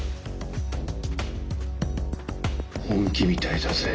本気みたいだぜ。